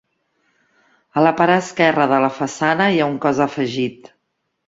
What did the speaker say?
A la part esquerra de la façana hi ha un cos afegit.